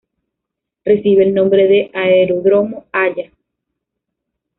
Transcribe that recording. Recibe el nombre de Aeródromo Haya.